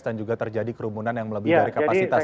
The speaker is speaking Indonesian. dan juga terjadi kerumunan yang melebihi dari kapasitas